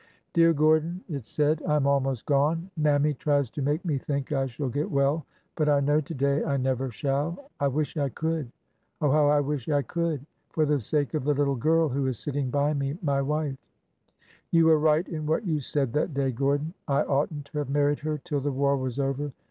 Dear Gordon/' it said, '' I am almost gone. Mammy tries to make me think I shall get well, but I know to day I never shall. I wish I could!— oh, how I wish I could! for the sake of the little girl who is sitting by me — my wife. You were right in what you said that day, Gordon. I ought n't to have married her till the war was over.